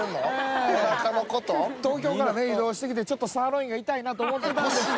東京から移動してきてちょっとサーロインが痛いなと思ってたんですよ